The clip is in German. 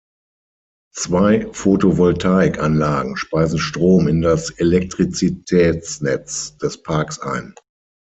Zwei Photovoltaikanlagen speisen Strom in das Elektrizitätsnetz des Parks ein.